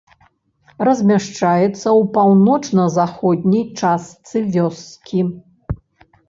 Размяшчаецца ў паўночна-заходняй частцы вёскі.